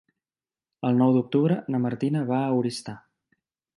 El nou d'octubre na Martina va a Oristà.